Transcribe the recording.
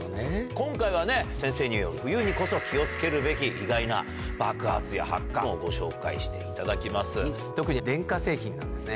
今回はね、先生に、冬にこそ気をつけるべき意外な爆発や発火をご紹介していただきま特に電化製品なんですね。